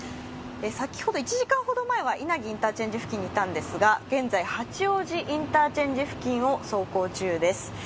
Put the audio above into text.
先ほど、１時間ほど前は稲城長沼インターチェンジ付近にいたんですが、現在、八王子インターチェンジ付近を走行中です。